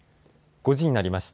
５時になりました。